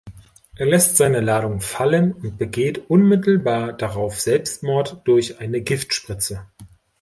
Er lässt seine Ladung fallen und begeht unmittelbar darauf Selbstmord durch eine Giftspritze.